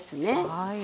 はい。